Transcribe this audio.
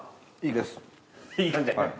いい感じで。